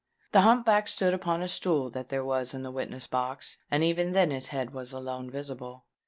The hump back stood upon a stool that there was in the witness box; and even then his head was alone visible.